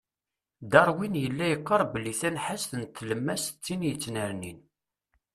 Darwin yella yeqqar belli tamhezt n telmas d tin yettnernin.